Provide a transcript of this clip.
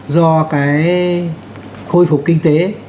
do cái khôi phục kinh tế